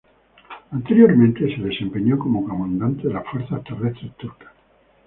Anteriormente se desempeñó como comandante de las fuerzas terrestres turcas.